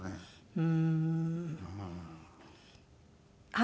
うん。